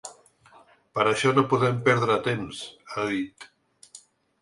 “Per això no podem perdre temps”, ha dit.